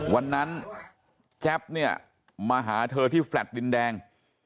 วันนั้นแจ๊ปเนี่ยมาหาเธอที่แฟลต์ดินแดง